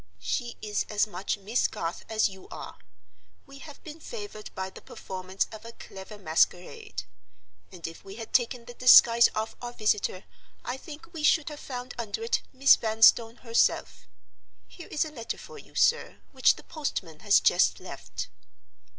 "She is as much Miss Garth as you are. We have been favored by the performance of a clever masquerade; and if we had taken the disguise off our visitor, I think we should have found under it Miss Vanstone herself.—Here is a letter for you, sir, which the postman has just left."